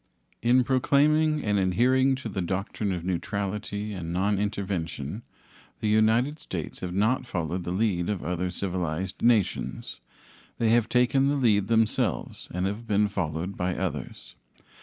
In proclaiming and adhering to the doctrine of neutrality and nonintervention, the United States have not followed the lead of other civilized nations; they have taken the lead themselves and have been followed by others.